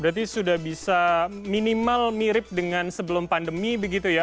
berarti sudah bisa minimal mirip dengan sebelum pandemi begitu ya